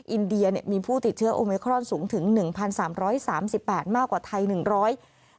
อินเดียมีผู้ติดเชื้อโอเมครอนสูงถึง๑๓๓๘มากกว่าไทย๑๙๓